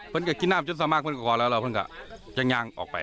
เพิ่งจะกินน้ำจนสามารถเพิ่งจะก่อนแล้วจะง่างออกไป